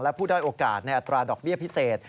และผู้ด้อยโอกาสในอัตราดอกเบี้ยพิเศษ